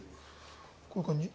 こういう感じ？